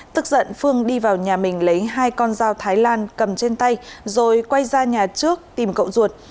tức giận phương đi vào nhà mình lấy hai con dao thái lan cầm trên tay rồi quay ra nhà trước tìm cậu ruột